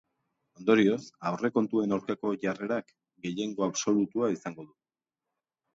Ondorioz, aurrekontuen aurkako jarrerak gehiengo absolutua izango du.